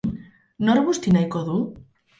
Nor busti nahiko du?